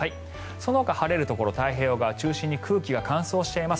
そのほか晴れるところ太平洋側を中心に空気が乾燥しています。